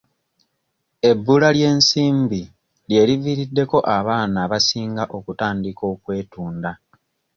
Ebbula ly'ensimbi lye liviiriddeko abaana abasinga okutandika okwetunda.